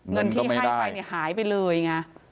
เงินที่ให้ไปหายไปเลยไง